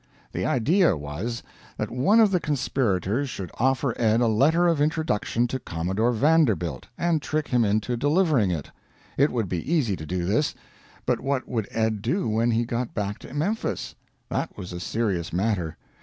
The idea was, that one of the conspirators should offer Ed a letter of introduction to Commodore Vanderbilt, and trick him into delivering it. It would be easy to do this. But what would Ed do when he got back to Memphis? That was a serious matter.